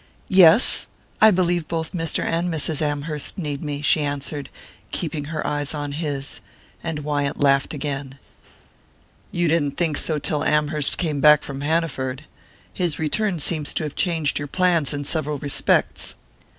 "Yes I believe both Mr. and Mrs. Amherst need me," she answered, keeping her eyes on his; and Wyant laughed again. "You didn't think so till Amherst came back from Hanaford. His return seems to have changed your plans in several respects."